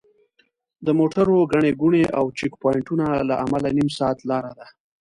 د موټرو ګڼې ګوڼې او چیک پواینټونو له امله نیم ساعت لاره ده.